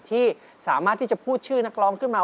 ที่สามารถที่จะพูดชื่อนักร้องขึ้นมา